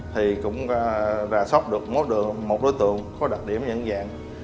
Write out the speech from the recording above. thì cũng ra sóc mốt được một đối tượng có đặc điểm nhận dạng